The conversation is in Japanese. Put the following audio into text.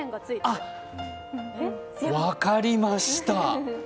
あっ、分かりました。